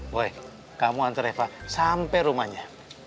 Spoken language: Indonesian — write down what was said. boy kamu anter reva sampai rumahnya